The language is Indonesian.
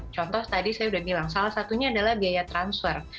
contoh tadi saya sudah bilang salah satunya adalah biaya transfer